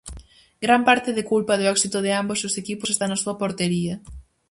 Gran parte de culpa do éxito de ambos os equipos está na súa portería.